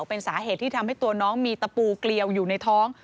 เป็นสาเหตุที่ทำให้ตัวน้องมีตะปูเกลียวอยู่ในท้อง